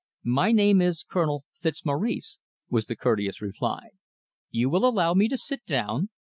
"My name is Colonel Fitzmaurice," was the courteous reply. "You will allow me to sit down?